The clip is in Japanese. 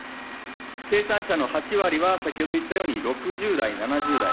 生産者の８割は、先ほど言ったように６０代、７０代。